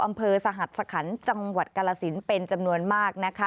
อำเภอสหัสสคันจังหวัดกาลสินเป็นจำนวนมากนะคะ